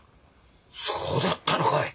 そうだったのかい。